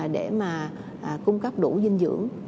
để mà cung cấp đủ dinh dưỡng